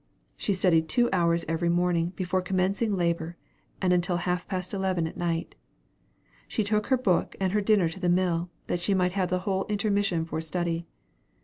She studied two hours every morning before commencing labor and until half past eleven at night. She took her book and her dinner to the mill, that she might have the whole intermission for study.